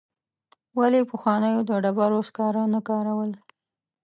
ولي پخوانو د ډبرو سکاره نه کارول؟